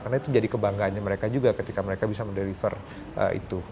karena itu jadi kebanggaannya mereka juga ketika mereka bisa menderiver itu